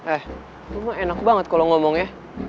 eh lu mah enak banget kalo ngomong ya